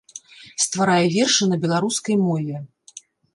Стварае вершы на беларускай мове.